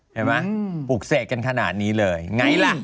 เห็นมั้ยปุกเศษกันขนาดนี้เลยไงล่ะ